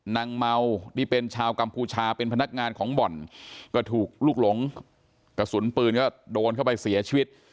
นางเมาที่เป็นชาวกัมพูชาเป็นพนักงานของบ่อนก็ถูกลูกหลงกระสุนปืนก็โดนเข้าไปเสียชีวิต